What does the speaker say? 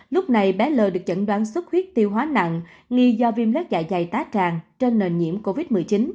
lúc này bé l được chẩn đoán sốt huyết tiêu hóa nặng nghi do viêm lét dạ dày tá tràn trên nền nhiễm covid một mươi chín